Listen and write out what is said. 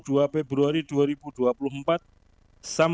menggunakan tegak adversity atau dan munculnya kejahatan